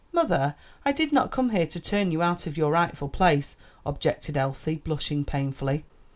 "Mother, I did not come here to turn you out of your rightful place," objected Elsie, blushing painfully.